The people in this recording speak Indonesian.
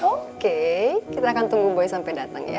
oke kita akan tunggu boy sampai datang ya